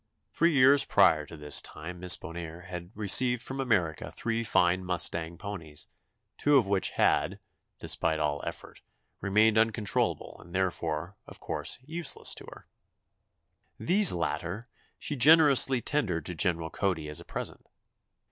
Three years prior to this time Miss Bonheur had received from America three fine mustang ponies, two of which had, despite all effort, remained uncontrollable and therefore, of course, useless to her. These latter she generously tendered to General Cody as a present.